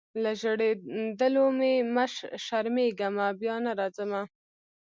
له ژړېدلو مي شرمېږمه بیا نه راځمه